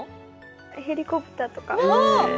ヘリコプターとか。